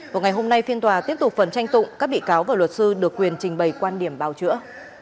vào ngày hôm nay phiên tòa tiếp tục phần tranh tụng các bị cáo và luật sư được quyền trình bày quan điểm bào chữa